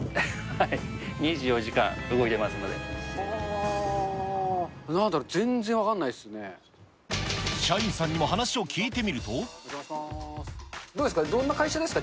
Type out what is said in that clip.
はい、２４時間動いてますのなんだろう、全然分かんない社員さんにも話を聞いてみるどうですか、どんな会社ですか？